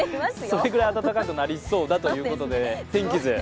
それぐらい暖かくなりそうということで、天気図。